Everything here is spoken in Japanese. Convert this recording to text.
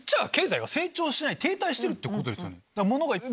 停滞してるってことですよね。